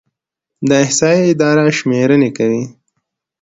د احصایې اداره شمیرنې کوي